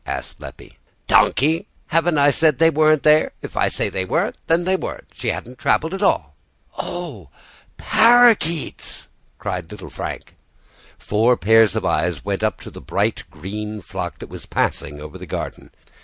asked Leppie. "Donkey! haven't I said they weren't there? If I say they weren't, then they weren't. She hadn't travelled at all." "Oh, parrakeets!" cried little Frank. Four pairs of eyes went up to the bright green flock that was passing over the garden.